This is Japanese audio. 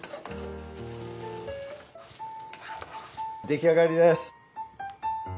出来上がりです。